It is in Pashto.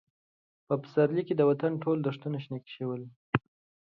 په پسرلي کې د وطن ټول دښتونه شنه شول.